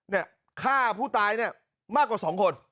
เนี่ยฆ่าผู้ตายเนี่ยมากกว่าสองคน